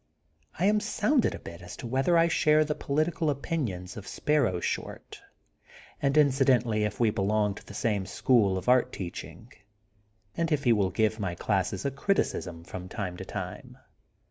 I am sounded a bit as to whether I share the polit ical opinions of Sparrow Short, and inci dentally if we belong to the same school of art teaching, and if he will give my classes a criticism from time to time.